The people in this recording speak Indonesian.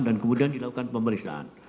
dan kemudian dilakukan pemeriksaan